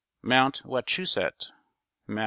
_Mount Wachusett, Mass.